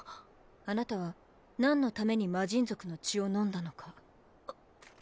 あなたはなんのために魔神族の血を飲んだのか。